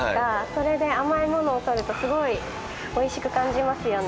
それで甘いものをとると、すごいおいしく感じますよね。